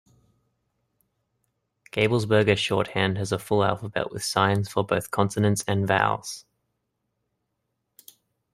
Gabelsberger shorthand has a full alphabet with signs for both consonants and vowels.